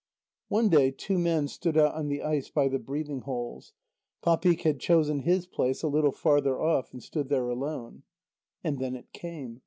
One day two men stood out on the ice by the breathing holes. Papik had chosen his place a little farther off, and stood there alone. And then it came.